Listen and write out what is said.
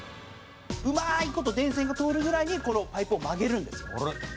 うまい事電線が通るぐらいにこのパイプを曲げるんですよ。